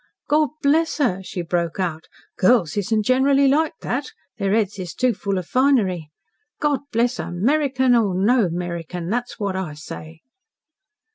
"God bless her!" she broke out. "Girls isn't generally like that. Their heads is too full of finery. God bless her, 'Merican or no 'Merican! That's what I say."